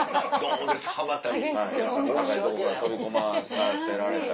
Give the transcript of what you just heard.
高いとこから飛び込まさせられたり。